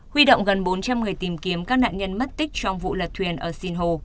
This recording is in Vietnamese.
huy động gần bốn trăm linh người tìm kiếm các nạn nhân mất tích trong vụ lật thuyền ở sinh hồ